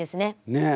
ねえ。